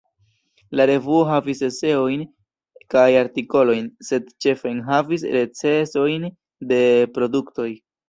La revuo havis eseojn kaj artikolojn, sed ĉefe enhavis recenzojn de produktoj.